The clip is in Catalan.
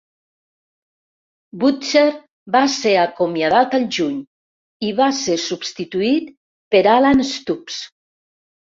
Butcher va ser acomiadat al juny i va ser substituït per Alan Stubbs.